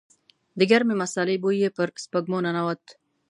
د ګرمې مسالې بوی يې پر سپږمو ننوت.